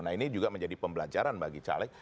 nah ini juga menjadi pembelajaran bagi caleg